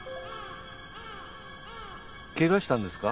けがしたんですか？